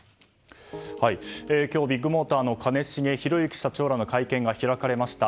今日、ビッグモーターの兼重宏行社長らの会見が開かれました。